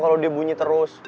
kalau dia bunyi terus